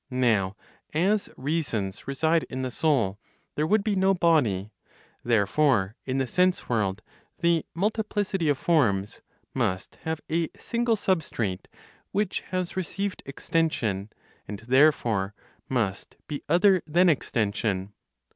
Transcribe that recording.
Now as reasons reside in the soul, there would be no body. Therefore, in the sense world, the multiplicity of forms must have a single substrate which has received extension, and therefore must be other than extension.